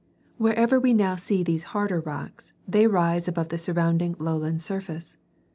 Wherever we now see these harder rocks, they rise above the surrounding lowland surface.